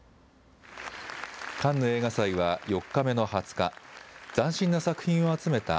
カンヌ映画祭は４日目の２０日、斬新な作品を集めた